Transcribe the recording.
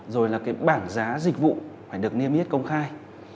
rồi là cái bảng giá dịch vụ phải được niêm yết công khai